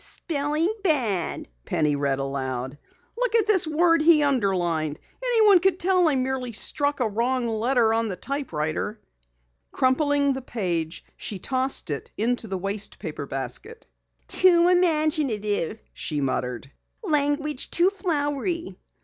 "'Spelling bad,'" Penny read aloud. "Look at this word he underlined! Anyone could tell I merely struck a wrong letter on my typewriter!" Crumpling the page, she tossed it into the waste paper basket. "'Too imaginative,'" she muttered. "'Language too flowery'!"